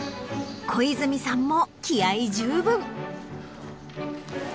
小泉さんも気合十分。